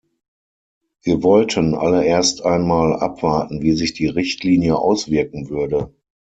Wir wollten alle erst einmal abwarten, wie sich die Richtlinie auswirken würde.